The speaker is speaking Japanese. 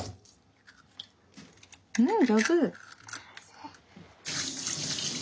うん上手！